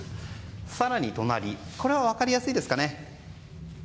更に、これは分かりやすいですかね。